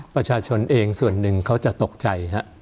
ประชาชนเองส่วนหนึ่งเขาจะตกใจ